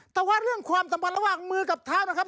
แต่ว่าเรื่องความสัมพันธ์ระหว่างมือกับเท้านะครับ